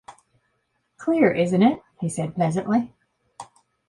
“Clear, isn’t it?” he said pleasantly.